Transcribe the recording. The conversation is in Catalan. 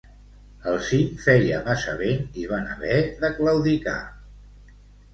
Al cim feia massa vent i van haver de claudicar.